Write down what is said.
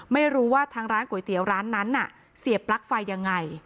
ไม่รู้ว่าทางร้านก๋วยเตี๋ยวร้านนั้นเสียบปลั๊กไฟยังไง